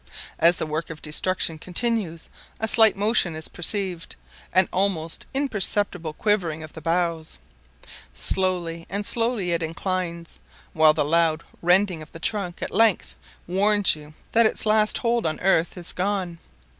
As the work of destruction continues, a slight motion is perceived an almost imperceptible quivering of the boughs. Slowly and slowly it inclines, while the loud rending of the trunk at length warns you that its last hold on earth is gone.